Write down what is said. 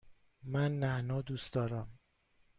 من نعنا دوست دارم.